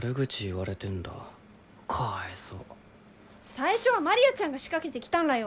最初はマリアちゃんが仕掛けてきたんらよ。